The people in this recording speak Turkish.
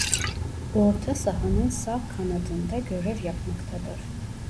Orta sahanın sağ kanadında görev yapmaktadır.